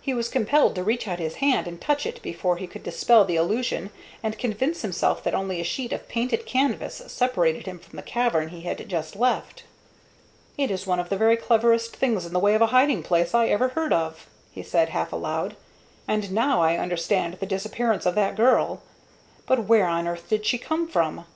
He was compelled to reach out his hand and touch it before he could dispel the illusion and convince himself that only a sheet of painted canvas separated him from the cavern he had just left. "It is one of the very cleverest things in the way of a hiding place I ever heard of," he said, half aloud; "and now I understand the disappearance of that girl. But where on earth did she come from?